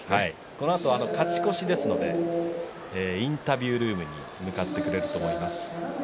このあと勝ち越しですのでインタビュールームに向かってくれる予定です。